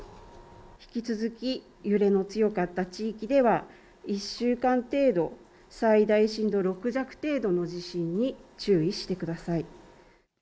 引き続き揺れの強かった地域では、１週間程度、最大震度６弱程度の地震に注意してください。